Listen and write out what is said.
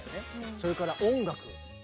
それから音楽。